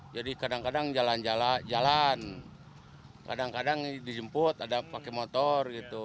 jadi kadang kadang jalan jalan kadang kadang dijemput ada pakai motor gitu